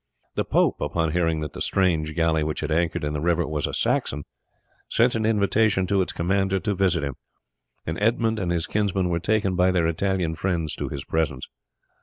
The pope, upon hearing that the strange galley which had anchored in the river was a Saxon, sent an invitation to its commander to visit him, and Edmund and his kinsman were taken by their Italian friends to his presence.